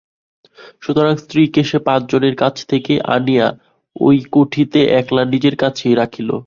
সুতরাং স্ত্রীকে সে পাঁচজনের কাছ থেকে আনিয়া এই কুঠিতে একলা নিজের কাছেই রাখিল।